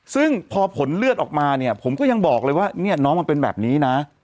ซึ่งพอผลเลือดออกมาเนี่ยผมก็ยังบอกเลยว่าเนี่ยน้องมันเป็นแบบนี้นะ